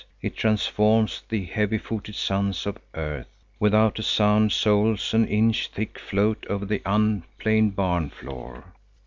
It transforms the heavy footed sons of earth. Without a sound soles an inch thick float over the unplaned barn floor.